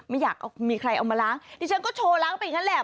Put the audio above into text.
ไม่อยากมีใครเอามาล้างดิฉันก็โชว์ล้างไปอย่างนั้นแหละ